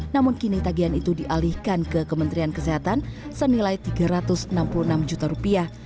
namun kini tagihan itu dialihkan ke kementerian kesehatan senilai tiga ratus enam puluh enam juta rupiah